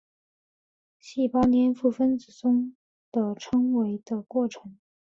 细胞黏附分子中的称为的过程。